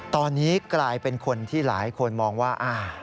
ตอนนี้กลายเป็นคนที่หลายคนมองว่า